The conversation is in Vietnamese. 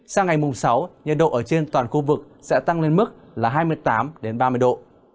sang ngày mùng sáu nhiệt độ ở trên toàn khu vực sẽ tăng lên mức là hai mươi tám ba mươi độ